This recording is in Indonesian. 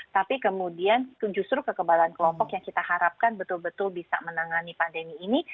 tapi kemudian justru kekebalan kelompok yang kita harapkan betul betul bisa menangani pandemi ini